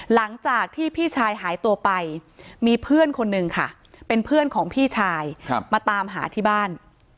หลังจากที่พี่ชายหายตัวไปมีเพื่อนคนนึงค่ะเป็นเพื่อนของพี่ชายมาตามหาที่บ้าน